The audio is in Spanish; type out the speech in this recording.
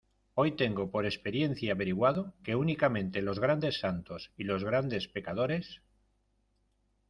hoy tengo por experiencia averiguado que únicamente los grandes santos y los grandes pecadores